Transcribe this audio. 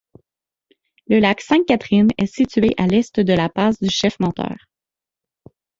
Le lac Sainte-Catherine est situé à l'est de la passe du Chef menteur.